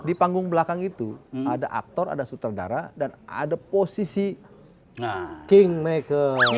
di panggung belakang itu ada aktor ada sutradara dan ada posisi kingmaker